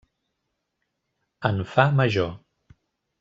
En fa major.